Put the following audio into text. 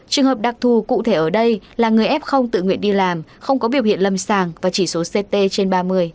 trường hợp đặc thù cụ thể ở đây là người f tự nguyện đi làm không có biểu hiện lâm sàng và chỉ số ct trên ba mươi